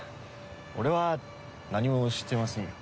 俺は何もしてませんよ。